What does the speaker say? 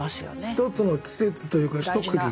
一つの季節というか一区切り。